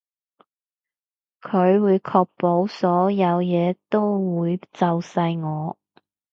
佢會確保所有嘢都會就晒我